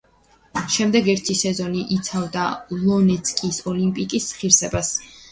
შემდეგ ერთი სეზონი იცავდა დონეცკის „ოლიმპიკის“ ღირსებას.